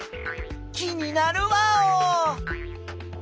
気になるワオ！